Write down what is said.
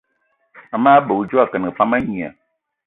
Amage bè odjo akengì pam a ngné.